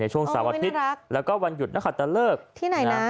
ในช่วงสวัสดิ์โอ้ยน่ารักแล้วก็วันหยุดนะครับแต่เลิกที่ไหนน่ะ